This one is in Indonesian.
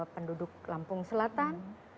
penduduk lampung selatan